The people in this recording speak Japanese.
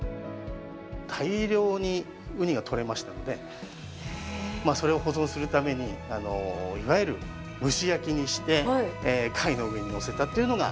大量にウニが取れましたので、それを保存するために、いわゆる蒸し焼きにして、貝の上に載せたというのが。